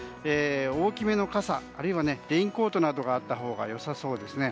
大きめの傘、あるいはレインコートなどがあったほうがよさそうですね。